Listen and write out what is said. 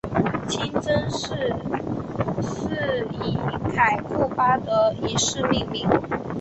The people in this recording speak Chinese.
清真寺是以凯库巴德一世命名。